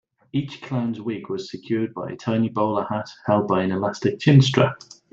Each clown's wig was secured by a tiny bowler hat held by an elastic chin-strap.